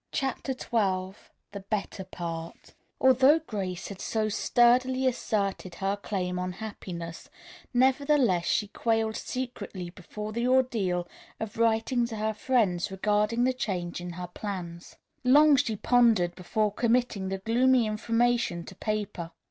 CHAPTER XII THE BETTER PART Although Grace had so sturdily asserted her claim on happiness, nevertheless she quailed secretly before the ordeal of writing to her friends regarding the change in her plans. Long she pondered before committing the gloomy information to paper.